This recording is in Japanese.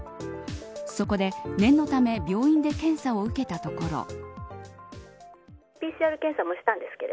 そこで、念のため病院で検査を受けたところ。